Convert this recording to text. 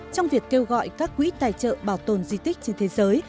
trong việc kêu gọi các quỹ tài trợ bảo tồn di tích trên thế giới